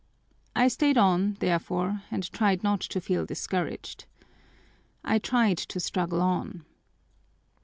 I stayed on, therefore, and tried not to feel discouraged. I tried to struggle on."